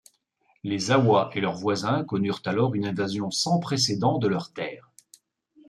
Les Awá et leurs voisins connurent alors une invasion sans précédent de leurs terres.